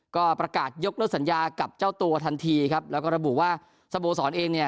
ก็ประกาศยกเลิกสัญญากับเจ้าตัวทันทีครับแล้วก็ระบุว่าสโมสรเองเนี่ย